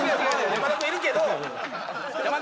山田君いるけど！